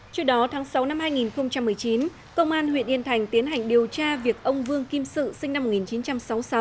trước đó tháng sáu năm hai nghìn một mươi chín công an huyện yên thành tiến hành điều tra việc ông vương kim sự sinh năm một nghìn chín trăm sáu mươi sáu